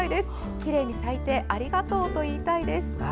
きれいに咲いてありがとうと言いたいです。